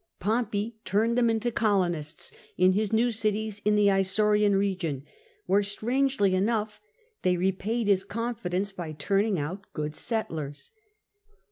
Pompey turned them into colonists in his new cities in the Isaurian region, where, strangely enough, they repaid his confidence by turning out good settlers.